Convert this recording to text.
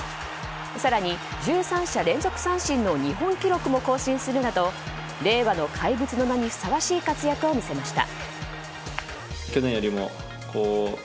更に１３者連続三振の日本記録も更新するなど令和の怪物の名にふさわしい活躍を見せました。